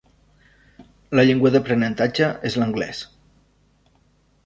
La llengua d'aprenentatge és l'anglès.